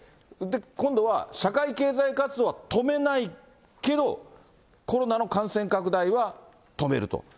今度は、社会経済活動は止めないけど、コロナの感染拡大は止めると。